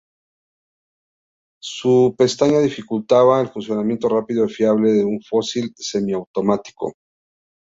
Su pestaña dificultaba el funcionamiento rápido y fiable de un fusil semiautomático.